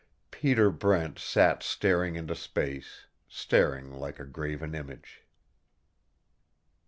Peter Brent sat staring into space, staring like a graven image.